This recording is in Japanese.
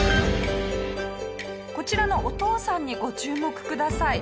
こちらのお父さんにご注目ください。